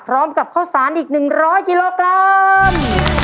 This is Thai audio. พร้อมกับข้าวสารอีก๑๐๐กกรัม